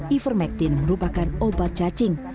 ivermectin merupakan obat cacing